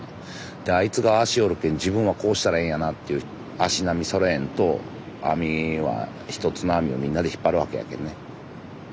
であいつがああしよるけん自分はこうしたらええんやなっていう足並みそろえんと網は１つの網をみんなで引っ張るわけやけんね。